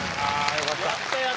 よかった。